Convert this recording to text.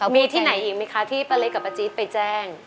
มีที่ไหนอีกไหมคะที่ป้าเล็กกับป้าจี๊ดไปแจ้ง